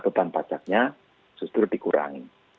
beban pajaknya justru dikurangi